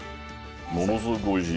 ものすごくおいしい。